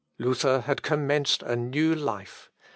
Luther had commenced a new life.